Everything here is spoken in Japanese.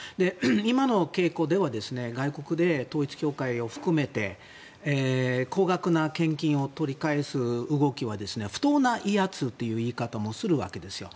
今の傾向では外国で統一教会を含めて高額な献金を取り返す動きは不当な威圧という言い方もするわけですよ。